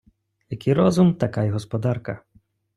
Який розум, така й господарка.